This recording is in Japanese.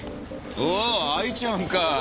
おう愛ちゃんか。